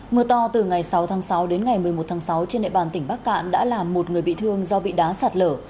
mưa to từ ngày sáu tháng sáu đến ngày một mươi một tháng sáu trên địa bàn tỉnh bắc cạn đã làm một người bị thương do bị đá sạt lở